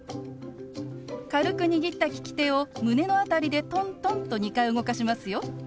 軽く握った利き手を胸の辺りでトントンと２回動かしますよ。